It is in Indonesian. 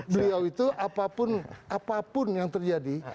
beliau itu apapun apapun yang terjadi